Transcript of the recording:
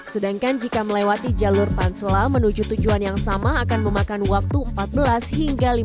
sedangkan jika melewati jalur pansela menuju tujuan yang sama akan memakan waktu empat belas hingga lima belas menit